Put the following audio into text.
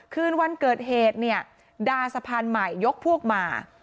คืนวันเกิดเหตุเนี่ยดาสะพานใหม่ยกพวกมา